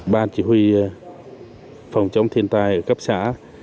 ban chỉ huy phòng chống thiên tai ở cấp xã